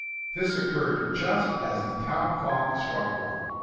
This occurred just as the town clock struck one.